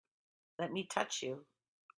Let me touch you!